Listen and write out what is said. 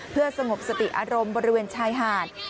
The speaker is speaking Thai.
เพื่อสงบสติอารมณ์บริเวณชายหาด